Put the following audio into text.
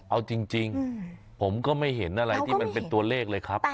เอาจริงผมก็ไม่เห็นอะไรที่มันเป็นตัวเลขเลยครับ